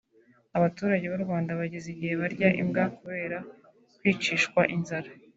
Abaturage b’u Rwanda bageze igihe “barya imbwa” kubera kwicishwa inzara